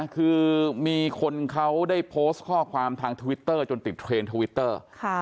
คือมีคนเขาได้โพสต์ข้อความทางทวิตเตอร์จนติดเทรนด์ทวิตเตอร์